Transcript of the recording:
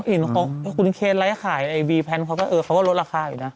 อิ่มของคุณเคนแล้วค่ะขายไอวีแพนค์เขาก็ลดราคาอยู่นะ